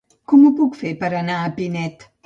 Com ho puc fer per anar a Pinet?